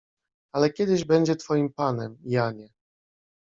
Ale kiedyś będzie twoim panem, Janie!